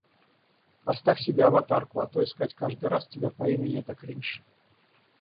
Поставь себе аватарку, а то искать каждый раз тебя по имени это кринж.